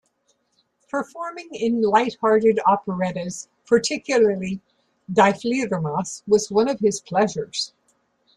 Performing in light-hearted operettas, particularly "Die Fledermaus", was one of his pleasures.